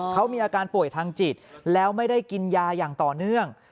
เขามีอาการป่วยทางจิตแล้วไม่ได้กินยาอย่างต่อเนื่อง